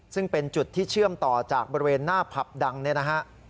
ซึ่งเป็นจุดที่เชื่อมต่อจากบริเวณหน้าผับดังเนี่ยนะฮะ